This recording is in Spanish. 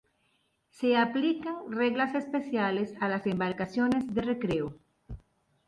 Se aplican reglas especiales a las embarcaciones de recreo.